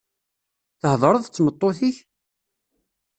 Theḍṛeḍ d tmeṭṭut-ik?